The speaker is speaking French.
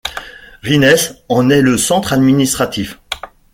Rhisnes en est le centre administratif.